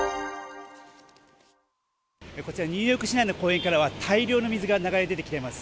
こちらニューヨーク市内の公園からは大量の水が流れ出てきています。